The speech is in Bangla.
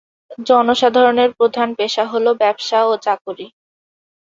জনসাধারনের প্রধান পেশা হলো ব্যবসা ও চাকুরী।